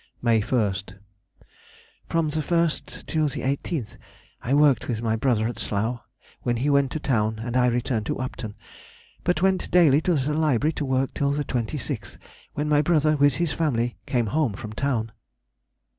May 1st.—From the 1st till the 18th I worked with my brother at Slough, when he went to town, and I returned to Upton; but went daily to the library to work till the 26th, when my brother, with his family, came home from town.